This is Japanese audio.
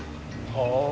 はあ。